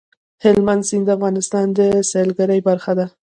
هلمند سیند د افغانستان د سیلګرۍ برخه ده.